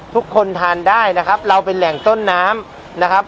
ทุกคนทานได้นะครับเราเป็นแหล่งต้นน้ำนะครับ